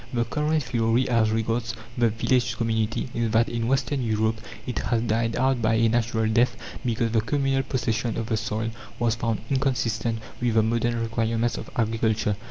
The current theory as regards the village community is, that in Western Europe it has died out by a natural death, because the communal possession of the soil was found inconsistent with the modern requirements of agriculture.